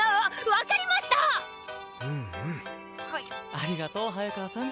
ありがとう早川さん。